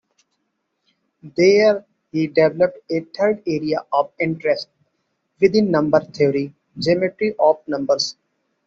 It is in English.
There he developed a third area of interest within number theory, geometry of numbers.